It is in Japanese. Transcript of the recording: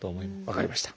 分かりました。